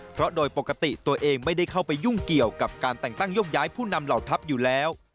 เพราะโดยปกติตัวเองไม่ได้เข้าไปยุ่งเกี่ยวกับการแต่งตั้งยกย้ายผู้นำเหล่าทัพอยู่แล้ว